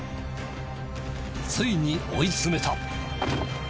ついに追い詰めた。